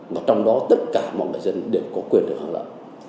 mà trong đó tất cả mọi người dân đều có quyền được hưởng lợi